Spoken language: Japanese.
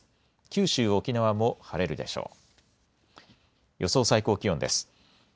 九州、沖縄も晴れるでしょう。